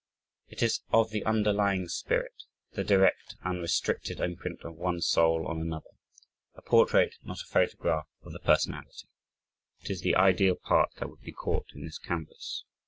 It is of the underlying spirit, the direct unrestricted imprint of one soul on another, a portrait, not a photograph of the personality it is the ideal part that would be caught in this canvas.